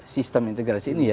sistem integrasi ini ya